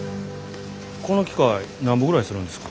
この機械なんぼぐらいするんですか？